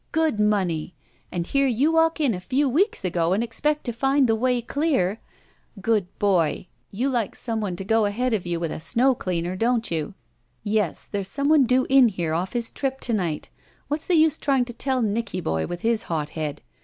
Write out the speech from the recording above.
Good money. And here you walk in a few weeks ago and expect to find the way dear! Good boy, you like some one to 250 ROULETTE go ahead of you with a snow cleaner, don't you? Yes, there's some one due in here off his trip to night. What's the use trying to tell Nicky boy with his hot head.